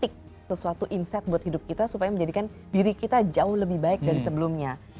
ini sesuatu insight buat hidup kita supaya menjadikan diri kita jauh lebih baik dari sebelumnya